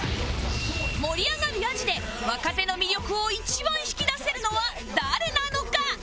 盛り上がるヤジで若手の魅力を一番引き出せるのは誰なのか？